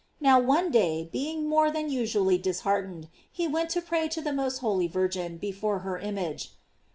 Now one day, being more than usually disheart* ened, he went to pray to the most holy Virgin before her image.